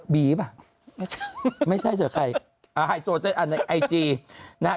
บีบ่ะไม่ใช่เสือใครไฮโซเซ็ตในไอจีนะฮะ